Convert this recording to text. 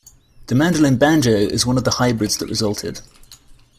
The mandolin-banjo is one of the hybrids that resulted.